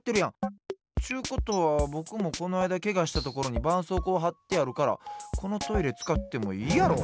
ちゅうことはぼくもこのあいだけがしたところにばんそうこうはってあるからこのトイレつかってもいいやろ！